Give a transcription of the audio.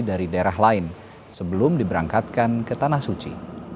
dari daerah lain sebelum diberangkatkan ke tanah suci